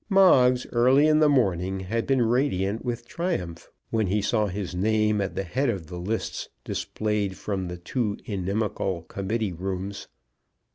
Moggs, early in the morning, had been radiant with triumph, when he saw his name at the head of the lists displayed from the two inimical committee rooms.